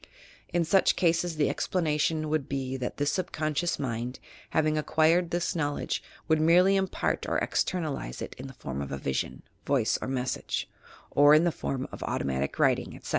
In such ca.ses the explanation would be that this subconscious mind, having acquired this knowledge, would merely impart or "externalize" it in the form of a vision, voice or message, or in the form of auto matic writing, etc.